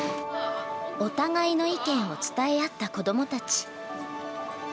お互いの意見を伝え合った子どもたち。